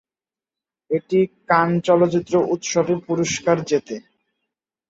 এটি কান চলচ্চিত্র উৎসবে পুরস্কার জেতে।